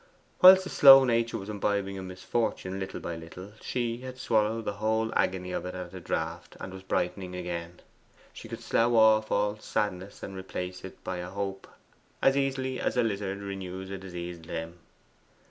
Whilst a slow nature was imbibing a misfortune little by little, she had swallowed the whole agony of it at a draught and was brightening again. She could slough off a sadness and replace it by a hope as easily as a lizard renews a diseased limb.